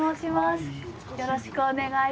よろしくお願いします。